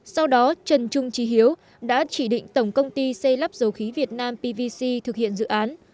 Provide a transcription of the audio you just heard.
sau đó trần trung trí hiếu đã chỉ định tổng công ty xây lắp dầu khí việt nam pvc thực hiện dự án